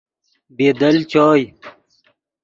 بی دل چوئے۔